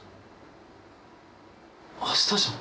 明日じゃん！